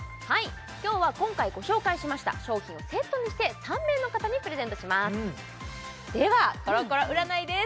今日は今回ご紹介しました商品をセットにして３名の方にプレゼントしますではコロコロ占いです